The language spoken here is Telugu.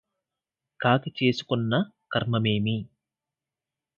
కాకి చేసుకొన్న కర్మమేమి